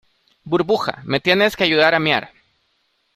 burbuja, me tienes que ayudar a mear.